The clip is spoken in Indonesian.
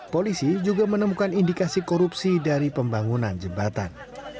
polisi juga menemukan indikasi korupsi dari pembangunan jembatan